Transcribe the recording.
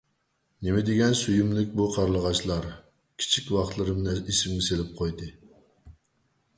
نېمىدېگەن سۆيۈملۈك بۇ قارلىغاچلار! كىچىك ۋاقىتلىرىمنى ئېسىمگە سېلىپ قويدى.